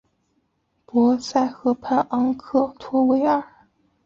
博斯河畔昂克托维尔。